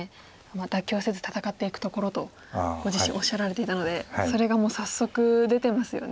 「妥協せず戦っていくところ」とご自身おっしゃられていたのでそれがもう早速出てますよね。